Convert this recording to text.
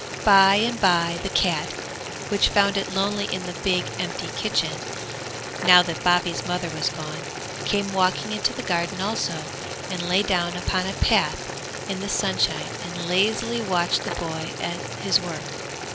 By and by the cat, which found it lonely in the big, empty kitchen, now that Bobby's mother was gone, came walking into the garden also, and lay down upon a path in the sunshine and lazily watched the boy at his work.